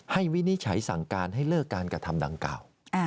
วินิจฉัยสั่งการให้เลิกการกระทำดังกล่าว